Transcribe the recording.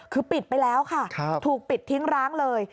คือปิดไปแล้วค่ะถูกปิดทิ้งร้างเลย